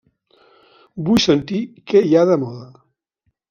Vull sentir què hi ha de moda.